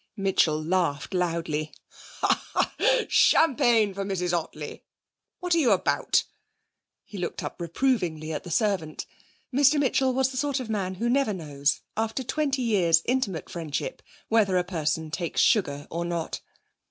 Mitchell laughed loudly. 'Ha ha! Champagne for Mrs Ottley. What are you about?' He looked up reprovingly at the servant. Mr Mitchell was the sort of man who never knows, after twenty years' intimate friendship, whether a person takes sugar or not.